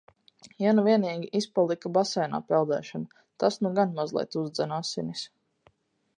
Ja nu vienīgi izpalika baseinā peldēšana, tas nu gan mazliet uzdzen asinis.